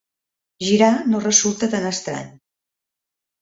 Girar no resulta tan estrany.